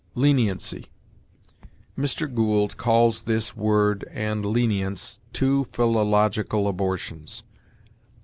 LENIENCY. Mr. Gould calls this word and lenience "two philological abortions."